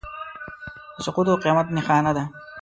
د سقوط او قیامت نښانه ده.